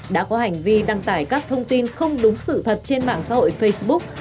đã có hành vi đăng tải các thông tin không đúng sự thật trên mạng xã hội facebook